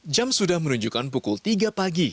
jam sudah menunjukkan pukul tiga pagi